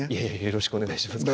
よろしくお願いします